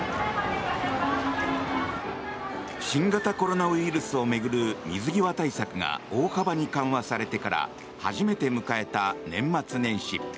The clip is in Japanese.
新型コロナウイルスを巡る水際対策が大幅に緩和されてから初めて迎えた年末年始。